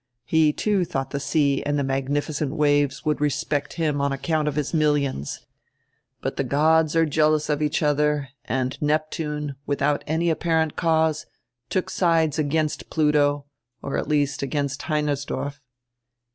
He too thought the sea and die magnificent waves would respect him on account of his millions. But die gods are jealous of each other, and Neptune, without any apparent cause, took sides against Pluto, or at least against Heinersdorf."